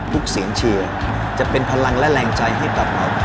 เสียงเชียร์จะเป็นพลังและแรงใจให้กับเรา